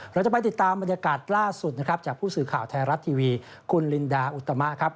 เราจะไปติดตามบรรยากาศล่าสุดนะครับจากผู้สื่อข่าวไทยรัฐทีวีคุณลินดาอุตมะครับ